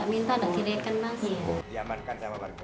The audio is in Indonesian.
kalau tidak minta tidak direken masih